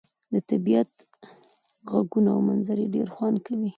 د طبيعت ږغونه او منظرې ډير خوند کوي.